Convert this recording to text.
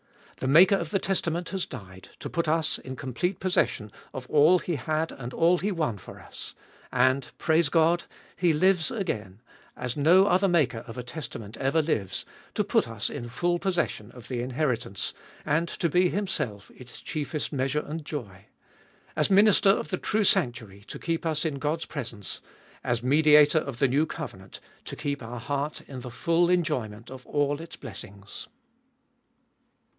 The maker of the testament has died, to put us in complete possession of all He had and all He won for us. And, praise God ! He lives again, as no other maker of a 314 abe IboHest of ail testament ever lives, to put us in full possession of the inherit ance, and to be Himself its chiefest measure and joy; as Minister of the true sanctuary to keep us in God's presence ; as Mediator of the new covenant to keep our heart in the full enjoyment of all its blessings.